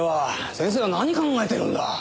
先生は何考えてるんだ？